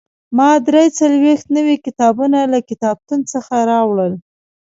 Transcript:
ما درې څلوېښت نوي کتابونه له کتابتون څخه راوړل.